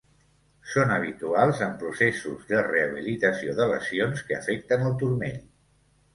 Són habituals en processos de rehabilitació de lesions que afecten el turmell.